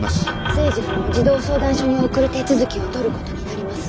征二君を児童相談所に送る手続きをとることになります。